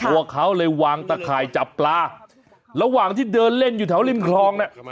วางตะไข่จับปลาระหว่างที่เดินเล่นอยู่แถวริมคลองน่ะ